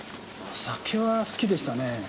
酒は好きでしたね。